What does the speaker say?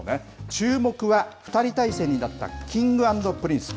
注目は２人体制になったＫｉｎｇ＆Ｐｒｉｎｃｅ。